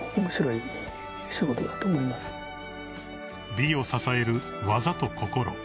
［美を支える技と心］